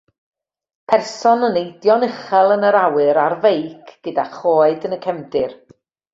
Person yn neidio'n uchel yn yr awyr ar feic gyda choed yn y cefndir